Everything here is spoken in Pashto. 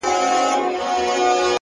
ه ته خپه د ستړي ژوند له شانه نه يې؛